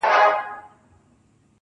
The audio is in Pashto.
ځوان ولاړ سو,